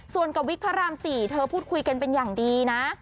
ส่วนกับวิกพระราม๔เธอพูดคุยกันเป็นอย่างดีนะ